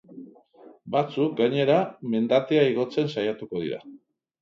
Batzuk, gainera, mendatea igotzen saiatuko dira.